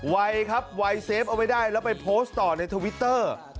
วัยครับวัยเฟฟเอาไว้ได้แล้วไปโพสต์ต่อในทวิตเตอร์